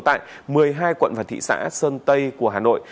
tại một mươi hai quận và thị xã sơn tây của hà nội